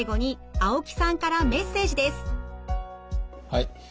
はい。